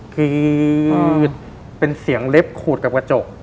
คือเป็นเสียงเล็บขูดกับกระจก